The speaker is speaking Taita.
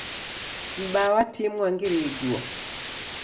M'baa wa timu wangirie iguo